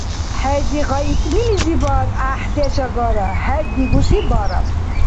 Хӏези гъайикӏнилизибад гӏяхӏдеш агара. Хӏед дигуси бара...